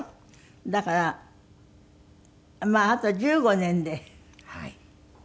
だからまああと１５年で９０？